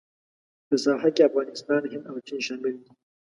په ساحه کې افغانستان، هند او چین شامل دي.